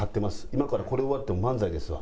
今からこれ終わっても漫才ですわ。